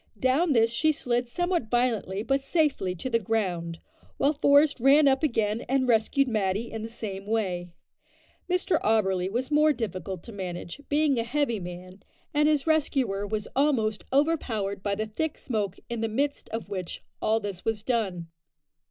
Down this she slid somewhat violently but safely to the ground, while Forest ran up again and rescued Matty in the same way. Mr Auberly was more difficult to manage, being a heavy man, and his rescuer was almost overpowered by the thick smoke in the midst of which all this was done.